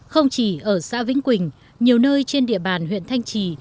không chỉ ở xã vĩnh quỳnh nhiều nơi trên địa bàn huyện thanh trì